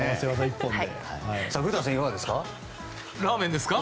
古田さん、いかがですか。